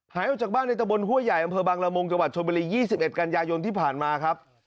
หายออกจากบ้านในตะบนห้วยใหญ่อำเภอบังละมุงจังหวัดชนบุรี๒๑กันยายนที่ผ่านมาครับ